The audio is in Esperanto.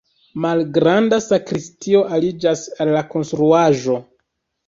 Malgranda sakristio aliĝas al la konstruaĵo.